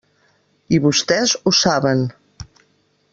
I vostès ho saben.